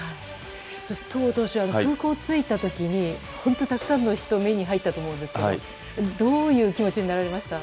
そして戸郷投手は空港に着いた時に本当にたくさんの人が目に入ったと思うんですけどどういう気持ちになられました？